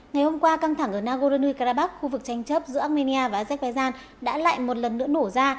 ngày hôm qua căng thẳng ở nagorno karabakh khu vực tranh chấp giữa armenia và azerbaijan đã lại một lần nữa nổ ra